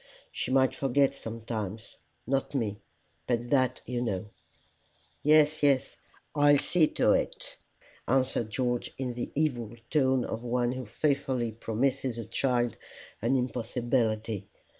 She might forget sometimes not me, but that, you know." "Yes, yes, I'll see to it," answered George, in the evil tone of one who faithfully promises a child an impossibility.